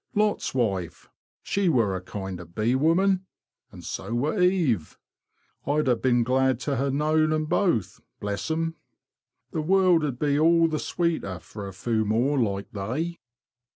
Lot's wife, she were a kind o' bee woman; and so were Eve. I'd ha' been glad to ha' knowed 'em both, bless 'em! The world 'ud be all the sweeter fer a few more like they.